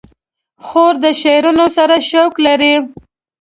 خور د شعرونو سره شوق لري.